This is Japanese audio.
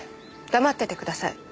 黙っててください。